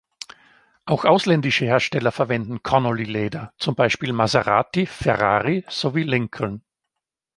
Auch ausländische Hersteller verwendeten Connolly-Leder, zum Beispiel Maserati, Ferrari, sowie Lincoln.